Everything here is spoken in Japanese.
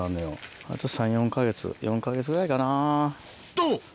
あと３４か月４か月ぐらいかな。